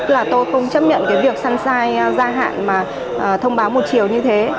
là tôi không chấp nhận cái việc sunshine gia hạn mà thông báo một chiều như thế